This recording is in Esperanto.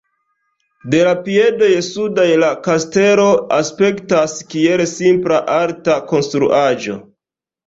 De la piedoj sudaj la kastelo aspektas kiel simpla alta konstruaĵo.